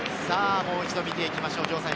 もう一度見ていきましょう。